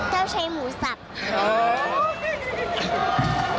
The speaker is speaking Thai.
เจ้าชายหมูสัตว์